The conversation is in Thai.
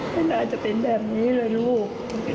ไม่น่าจะเป็นแบบนี้เลยลูก